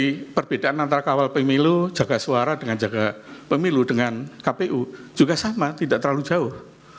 jadi perbedaan antara kawal pemilu jaga suara dengan jaga pemilu dengan kpu juga sama tidak terlalu jauh